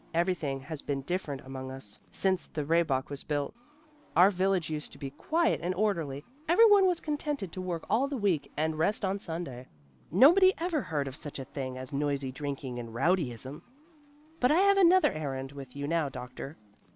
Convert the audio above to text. Everything has been different among us since the Rehbock was built. Our village used to be quiet and orderly; every one was contented to work all the week and rest on Sunday. Nobody ever heard of such a thing as noisy drinking and rowdyism. But I have another errand with you now, doctor.